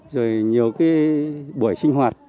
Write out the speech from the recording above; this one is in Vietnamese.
rồi nhiều cái buổi sinh hoạt